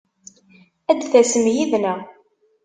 Ad d-tasem yid-neɣ!